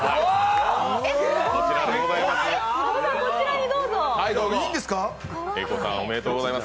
こちらでございます。